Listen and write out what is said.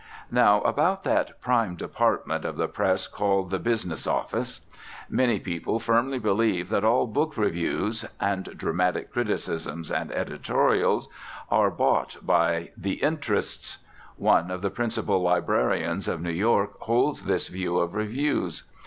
Now about that prime department of the press called the business office. Many people firmly believe that all book reviews and dramatic criticisms and editorials are bought by "the interests." One of the principal librarians of New York holds this view of reviews.